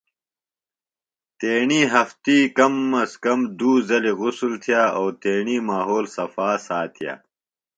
تیݨی ہفتی کم ازکم دُو زلیۡ غسُل تِھیہ او تیݨی ماحول صفاساتِیہ۔